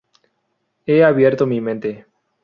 He abierto mi mente.